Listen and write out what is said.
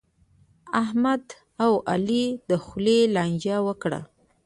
احمد او علي د خولې لانجه وکړه.